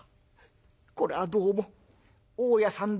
「これはどうも大家さんで。